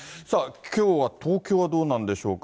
きょうは東京はどうなんでしょうか。